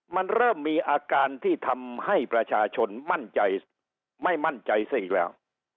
มันเริ่มมีอาการที่ทำให้ประชาชนมั่นใจไม่มั่นใจซะอีกแล้ว